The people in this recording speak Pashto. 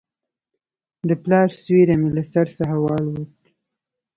د پلار سیوری مې له سر څخه والوت.